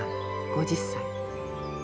５０歳。